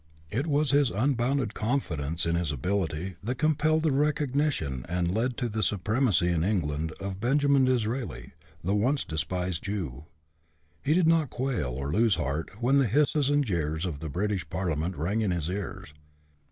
It was his unbounded confidence in his ability that compelled the recognition and led to the supremacy in England of Benjamin Disraeli, the once despised Jew. He did not quail or lose heart when the hisses and jeers of the British parliament rang in his ears.